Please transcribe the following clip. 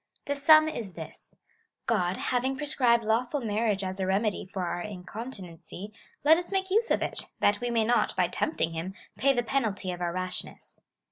' The sum is this — God having prescribed lawful marriage as a remedy for our incontinency, let us make use of it, that we may not, by temj)ting him, pay the penalty of our rashness.